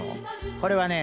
これはね